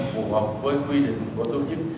phù hợp với quy định của tổ chức